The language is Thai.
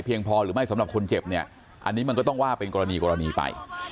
เพียงพอหรือไม่สำหรับคนเจ็บอันนี้มันก็ต้องว่าเป็นกรณีปลาย